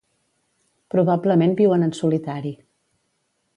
Probablement viuen en solitari.